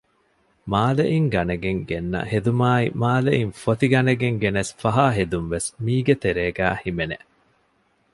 މާލެއިން ގަނެގެން ގެންނަ ހެދުމާއި މާލެއިން ފޮތި ގަނެގެން ގެނެސް ފަހާ ހެދުންވެސް މީގެ ތެރޭގައި ހިމެނެ